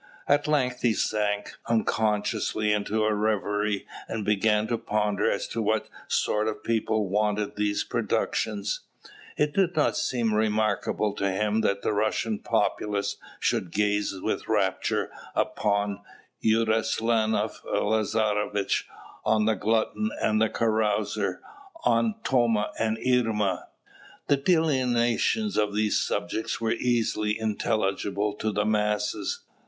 At length he sank unconsciously into a reverie, and began to ponder as to what sort of people wanted these productions? It did not seem remarkable to him that the Russian populace should gaze with rapture upon "Eruslanoff Lazarevitch," on "The Glutton," and "The Carouser," on "Thoma and Erema." The delineations of these subjects were easily intelligible to the masses.